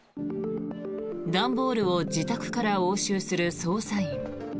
段ボールを自宅から押収する捜査員。